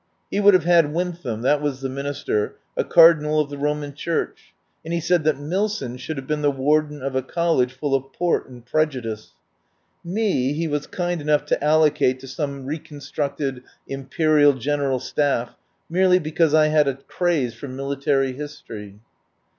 He would have had Wy tham — that was the Minister — a cardinal of the Roman Church, and he said that Milson should have been the Warden of a college full of port and prejudice. Me he was kind enough to allocate to some reconstructed Imperial General Staff, merely because I had a craze for military history.